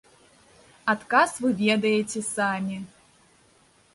Адказ вы ведаеце самі.